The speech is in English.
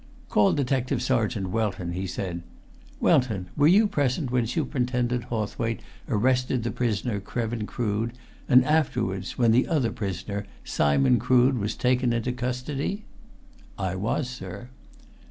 "Call Detective Sergeant Welton," he said. "Welton, were you present when Superintendent Hawthwaite arrested the prisoner Krevin Crood, and afterwards when the other prisoner, Simon Crood, was taken into custody?" "I was, sir."